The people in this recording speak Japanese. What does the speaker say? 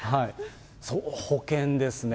そう、保険ですね。